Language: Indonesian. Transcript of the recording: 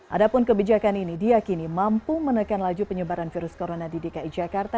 adapun kebijakan ini diakini mampu menekan laju penyebaran virus corona di dki jakarta